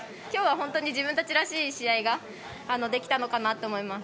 きょうは本当に自分たちらしい試合ができたのかなって思い